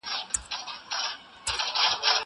زه باید منډه ووهم!!